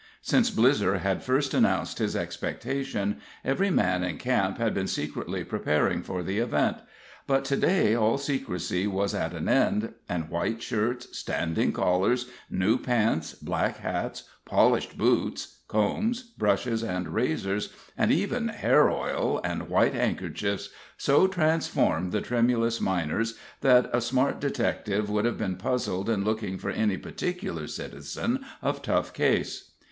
Since Blizzer had first announced his expectation, every man in camp had been secretly preparing for the event; but to day all secrecy was at an end, and white shirts, standing collars, new pants, black hats, polished boots, combs, brushes and razors, and even hair oil and white handkerchiefs, so transformed the tremulous miners, that a smart detective would have been puzzled in looking for any particular citizen of Tough Case.